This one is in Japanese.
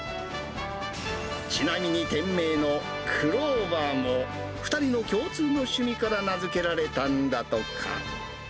ちなみに、店名のくろーばーも、２人の共通の趣味から名付けられたんだとか。